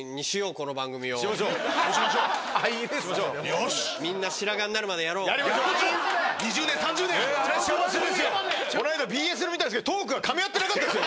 この間ＢＳの見たんですけどトークがかみ合ってなかった。